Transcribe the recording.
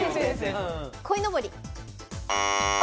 こいのぼり。